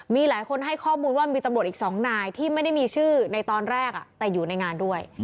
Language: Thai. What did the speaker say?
มีหลายคนให้ข้อมูลว่ามีตำรวจอีก๒นายที่ไม่ได้มีชื่อในตอนแรกแต่อยู่ในงานด้วย